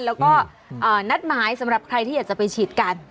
แล้วก็นัดหมายสำหรับใครที่อยากจะไปฉีดกัน